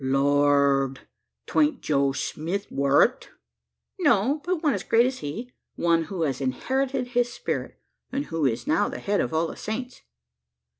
"Lord! 'Twan't Joe Smith, wur it?" "No; but one as great as he one who has inherited his spirit; and who is now the head of all the Saints."